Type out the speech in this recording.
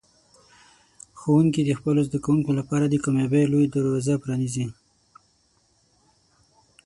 ښوونکي د خپلو زده کوونکو لپاره د کامیابۍ لوی دروازه پرانیزي.